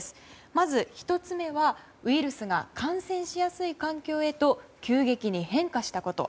まず、１つ目はウイルスが感染しやすい環境へと急激に変化したこと。